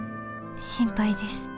心配です。